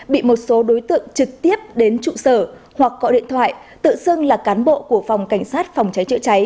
bị một số đối tượng trực tiếp đến trụ sở hoặc gọi điện thoại tự xưng là cán bộ của phòng cảnh sát phòng cháy chữa cháy